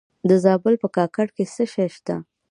د زابل په کاکړ کې څه شی شته؟